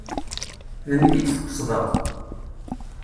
D nekk i d-tqesdeḍ?